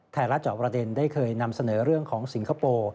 จอบประเด็นได้เคยนำเสนอเรื่องของสิงคโปร์